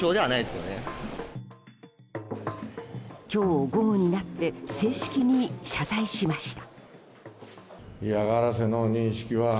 今日、午後になって正式に謝罪しました。